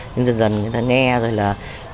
nhưng dần dần người ta nghe rồi là